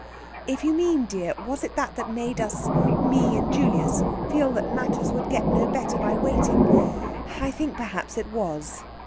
"If you mean, dear, was it that that made us, me and Julius, feel that matters would get no better by waiting, I think perhaps it was....